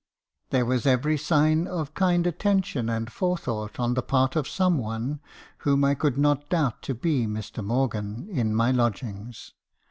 "There was every sign of kind attention and forethought on the part of some one, whom I could not doubt to be Mr. Morgan, in my lodgings.